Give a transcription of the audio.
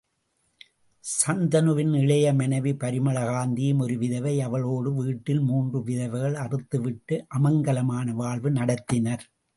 சந்தனுவின் இளைய மனைவி பரிமளகந்தியும் ஒரு விதவை அவளோடு வீட்டில் மூன்று விதவைகள் அறுத்துவிட்டு அமங்கலமான வாழ்வு நடத்தினர்.